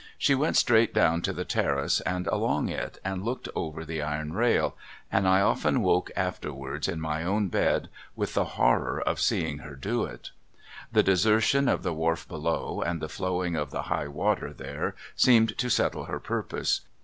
She went straight down to the Terrace and along it and looked over the iron rail, and I often woke afterwards in my own bed with the horror Z 338 MRS. LIRRIPER'S LODGINGS of seeinp; her do it. The desertion of the wharf below and the flowin,::,' of the high water there seemed to settle her purpose.